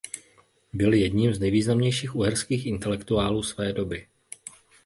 Byl jedním z nejvýznamnějších uherských intelektuálů své doby.